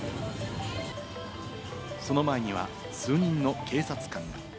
その前には数人の警察官が。